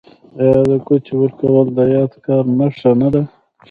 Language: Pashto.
آیا د ګوتې ورکول د یادګار نښه نه ده؟